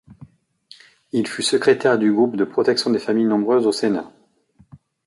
Il fut secrétaire du groupe de protection des familles nombreuses au Sénat.